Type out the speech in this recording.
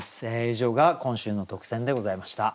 以上が今週の特選でございました。